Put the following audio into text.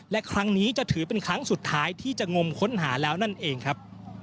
และครั้งนี้จะถือเป็นครั้งสุดท้ายที่จะงมค้นหาแล้วนั่นเองครับ